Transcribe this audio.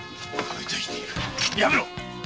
やめろ！